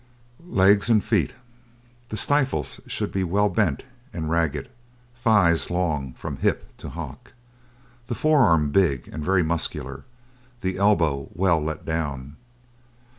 LEGS AND FEET The stifles should be well bent and ragged, thighs long from hip to hock. The forearm big and very muscular, the elbow well let down.